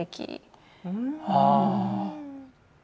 ああ。